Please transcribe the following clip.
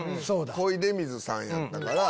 小出水さんやったから。